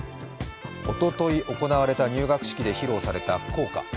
おととい行われた入学式で披露された校歌。